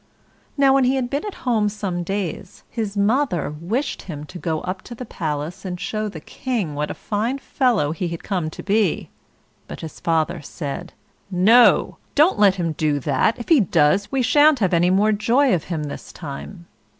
Now, when he had been at home some days, his mother wished him to go up to the palace and show the King what a fine fellow he had come to be. But his father said: "No! don't let him do that; if he does, we shan't have any more joy of him this time."